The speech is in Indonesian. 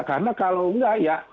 karena kalau nggak ya